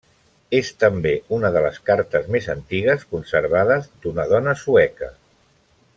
És també una de les cartes més antigues conservades d'una dona sueca.